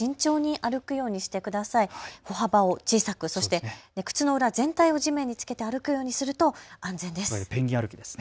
歩幅を小さく、そして靴の裏全体を地面につけて歩くようにすると安全ですね。